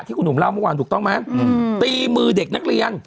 คุณหนุ่มเล่าเมื่อวานถูกต้องไหมตีมือเด็กนักเรียน